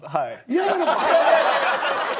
嫌なのか？